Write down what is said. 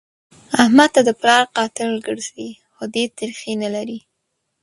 احمد ته د پلار قاتل ګرځي؛ خو دی تريخی نه لري.